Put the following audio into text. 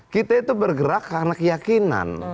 kita itu bergerak karena keyakinan